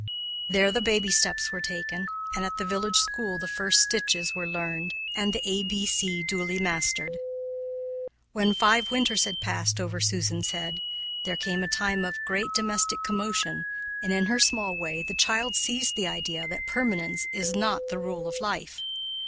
There the baby steps were taken, and at the village school the first stitches were learned, and the A B C duly mastered. When five winters had passed over Susan's head, there came a time of great domestic commotion, and, in her small way, the child seized the idea that permanence is not the rule of life.